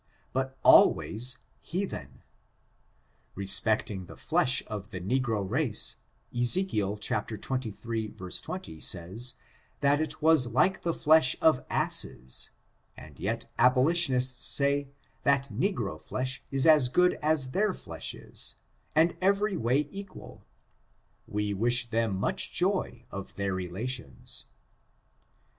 but always hea then. Respecting the flesh of the negro race, Eze kiel xxiii, 20, says that it was like the flesh of Asses, and yet abolitionists say that negro flesh is as good as their flesh is, and every way equal ; we wish them mu(;h joy of their relations.